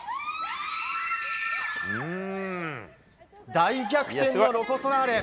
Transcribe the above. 大逆転のロコ・ソラーレ。